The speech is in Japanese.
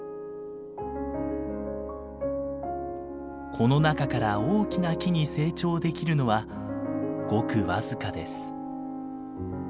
この中から大きな木に成長できるのはごく僅かです。